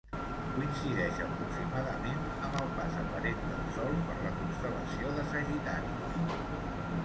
Coincideix aproximadament amb el pas aparent del Sol per la constel·lació de Sagitari.